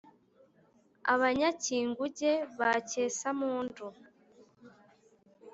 abanyacyinguge ba cyesampundu.